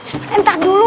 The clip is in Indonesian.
eh entah dulu